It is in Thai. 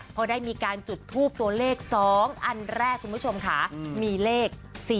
พอได้มีการจุดทูปตัวเลข๒อันแรกคุณผู้ชมค่ะมีเลข๔๔